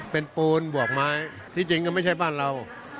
เป็นปูนบวกไม้ที่จริงก็ไม่ใช่บ้านเรา